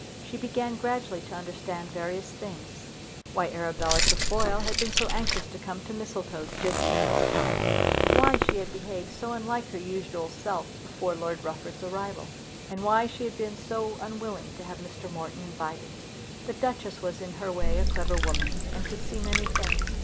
She began gradually to understand various things; why Arabella Trefoil had been so anxious to come to Mistletoe just at this time, why she had behaved so unlike her usual self before Lord Rufford's arrival, and why she had been so unwilling to have Mr. Morton invited. The Duchess was in her way a clever woman and could see many things.